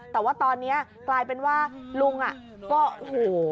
แต่ว่าตอนนี้กลายเป็นว่าลุงอ่ะก็โอ้โห